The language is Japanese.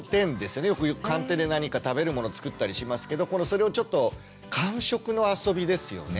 よく寒天で何か食べるもの作ったりしますけどそれをちょっと感触のあそびですよね。